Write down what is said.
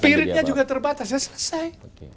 spiritnya juga terbatas ya selesai